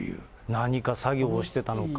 何か作業をしていたのか。